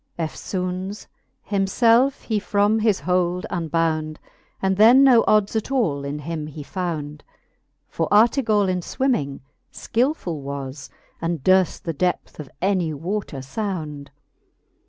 Eftfoones himfelfe he from his hold unbownd. And then no ods at all in him he fownd : For Artegall in fwimming skilfuU was. And durft the depth of any water fownd.